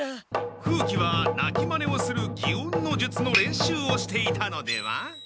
風鬼は鳴きまねをする擬音の術の練習をしていたのでは？